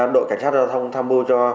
đội cảnh sát giao thông tham mưu cho